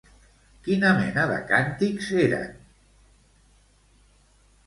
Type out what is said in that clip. Quina mena de càntics eren?